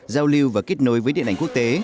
giao lưu và kết nối với điện ảnh quốc tế